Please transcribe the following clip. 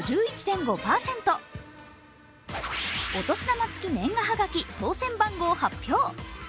お年玉付き年賀はがき当選番号発表。